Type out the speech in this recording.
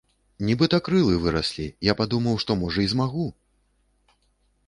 Нібыта крылы выраслі, я падумаў, што можа і змагу!